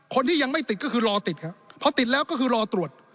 คนที่ยังไม่ติดก็คือรอติดครับพอติดแล้วก็คือรอตรวจ